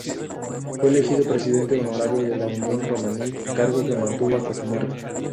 Fue elegido presidente honorario de la Unión Romaní, cargo que mantuvo hasta su muerte.